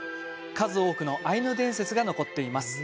数多くのアイヌ伝説が残っています。